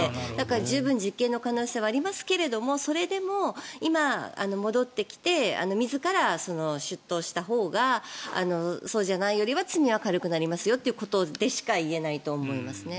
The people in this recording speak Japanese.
十分実刑の可能性はありますけどそれでも今、戻ってきて自ら出頭したほうがそうじゃないよりは罪は軽くなりますよということでしか言えないと思いますね。